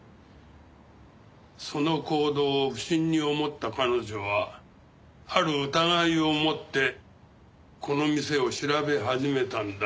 その行動を不審に思った彼女はある疑いを持ってこの店を調べ始めたんだよ。